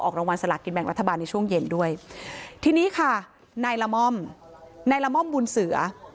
รางวัลสลากินแบ่งรัฐบาลในช่วงเย็นด้วยทีนี้ค่ะนายละม่อมนายละม่อมบุญเสือ